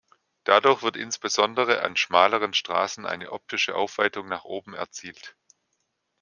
Dadurch wird insbesondere an schmaleren Straßen eine optische Aufweitung nach oben erzielt.